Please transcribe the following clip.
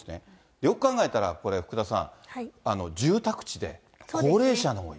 よく考えたら、これ、福田さん、住宅地で、高齢者が多い。